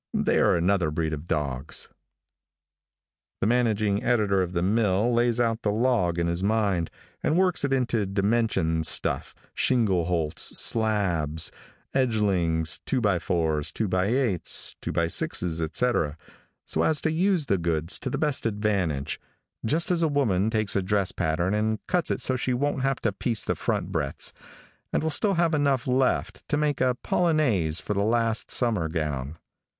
They are another breed of dogs. [Illustration: 0027] The managing editor of the mill lays out the log in his mind, and works it into dimension stuff, shingle holts, slabs, edgings, two by fours, two by eights, two by sixes, etc., so as to use the goods to the best advantage, just as a woman takes a dress pattern and cuts it so she won't have to piece the front breadths, and will still have enough left to make a polonaise for the last summer gown.